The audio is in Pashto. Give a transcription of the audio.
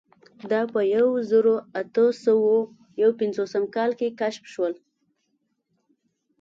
دا په یوه زرو اتو سوو یو پنځوسم کال کې کشف شول.